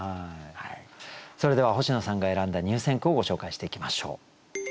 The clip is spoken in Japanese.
それでは星野さんが選んだ入選句をご紹介していきましょう。